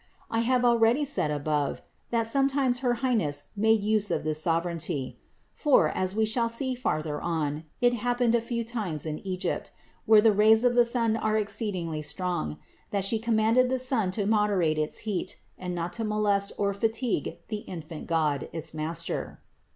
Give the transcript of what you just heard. I have already said above (No. 21) that sometimes her Highness made use of this sovereignty; for, as we shall see farther on, it happened a few times in Egypt, where the rays of the sun are exceedingly strong, that She com manded the sun to moderate its heat and not to molest or fatigue the infant God, its Master.